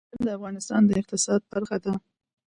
لوگر د افغانستان د اقتصاد برخه ده.